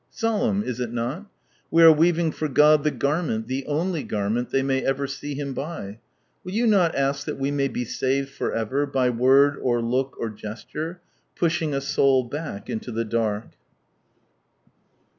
'* Solemn, is it not ? We are weaving for God the garment, the only garment^ they may ever see Him by. Will you not ask that we may be saved from ever, by word or look or gesture, pushing a soul back into the dark